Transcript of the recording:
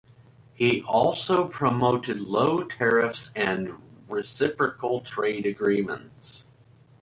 He also promoted low tariffs and reciprocal trade agreements.